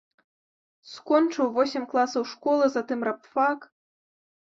Скончыў восем класаў школы, затым рабфак.